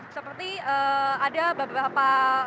seperti ada beberapa